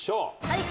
はい。